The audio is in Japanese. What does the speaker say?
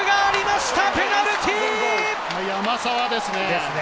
山沢ですね。